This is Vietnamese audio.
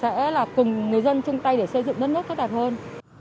sẽ là cùng người dân chung tay để xây dựng đất nước tốt đẹp hơn